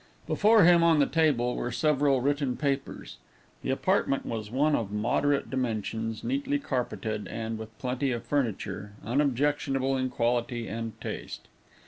Before him, on the table, were several written papers. The apartment was one of moderate dimensions, neatly carpeted, and, with plenty of furniture, unobjectionable in quality and taste.